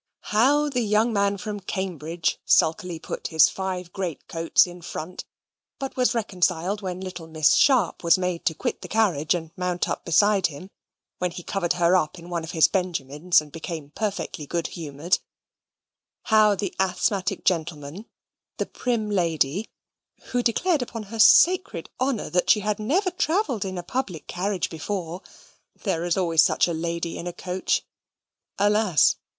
How the young man from Cambridge sulkily put his five great coats in front; but was reconciled when little Miss Sharp was made to quit the carriage, and mount up beside him when he covered her up in one of his Benjamins, and became perfectly good humoured how the asthmatic gentleman, the prim lady, who declared upon her sacred honour she had never travelled in a public carriage before (there is always such a lady in a coach Alas!